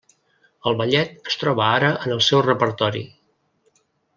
El ballet es troba ara en el seu repertori.